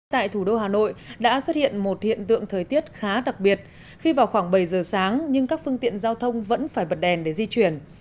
tại thủ đô hà nội đã xuất hiện một hiện tượng thời tiết khá đặc biệt khi vào khoảng bảy giờ sáng nhưng các phương tiện giao thông vẫn phải bật đèn để di chuyển